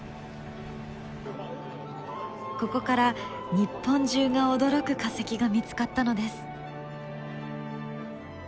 ここから日本中が驚く化石が見つかったのです。